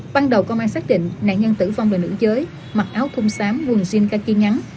ban đầu công an xác định nạn nhân tử vong là nữ giới mặc áo thun xám quần jean khaki ngắn